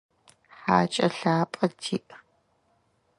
Хакӏэ лъапӏэ тиӏ.